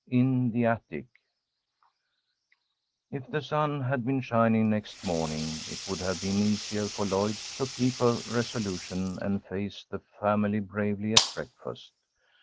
IN THE ATTIC IF the sun had been shining next morning, it would have been easier for Lloyd to keep her resolution, and face the family bravely at breakfast.